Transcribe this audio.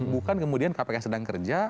bukan kemudian kpk sedang kerja